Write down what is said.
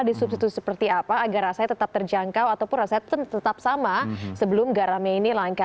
disubstitusi seperti apa agar rasanya tetap terjangkau ataupun rasanya tetap sama sebelum garamnya ini langka